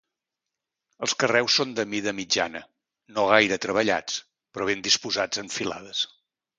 Els carreus són de mida mitjana, no gaire treballats, però ben disposats en filades.